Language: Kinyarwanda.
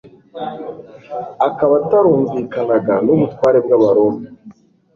akaba atarumvikanaga n'ubutware bw'abaroma,